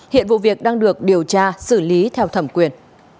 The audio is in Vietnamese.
hiện vụ việc đang được điều tra xử lý theo thẩm quyền